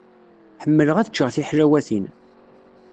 Ḥemmleɣ ad ččeɣ tiḥlawatin.